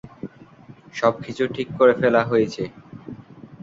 সব কিছু ঠিক করে ফেলা হয়েছে।